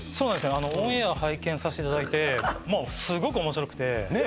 あのオンエア拝見させていただいてもうすごく面白くてねえ